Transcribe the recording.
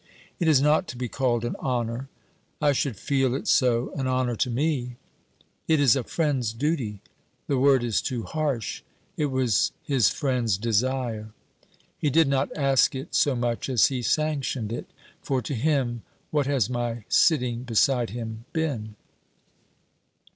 'It is not to be called an honour.' 'I should feel it so an honour to me.' 'It is a friend's duty. The word is too harsh; it was his friend's desire. He did not ask it so much as he sanctioned it. For to him what has my sitting beside him been!'